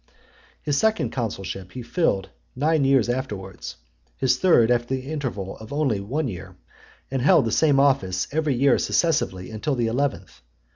His second consulship he filled nine years afterwards; his third, after the interval of only one year, and held the same office every year successively until the eleventh.